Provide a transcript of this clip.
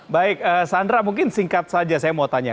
baik sandra mungkin singkat saja saya mau tanya